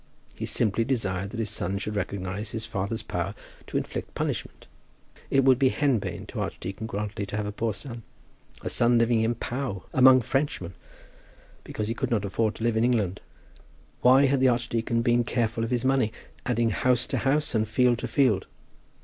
He simply desired that his son should recognize his father's power to inflict punishment. It would be henbane to Archdeacon Grantly to have a poor son, a son living at Pau, among Frenchmen! because he could not afford to live in England. Why had the archdeacon been careful of his money, adding house to house and field to field?